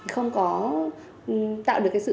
không có tạo được cái sự